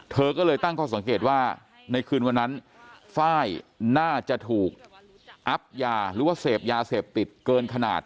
เธอก็เลยตั้งข้อสังเกตว่าในคืนวันนั้นไฟล์น่าจะถูกอับยาหรือว่าเสพยาเสพติดเกินขนาด